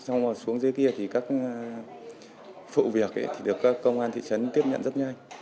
xong rồi xuống dưới kia thì các phụ việc được các công an thị trấn tiếp nhận rất nhanh